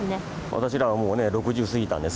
私らはもう６０過ぎたんです。